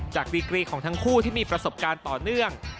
ดีกรีของทั้งคู่ที่มีประสบการณ์ต่อเนื่อง